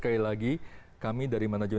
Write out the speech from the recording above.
kaganya dari detalainya